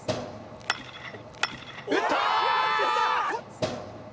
打った！